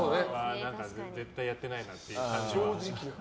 絶対やってないなっていう感じが。